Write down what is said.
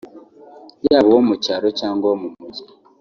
yaba uwo mu cyaro cyangwa uwo mu mujyi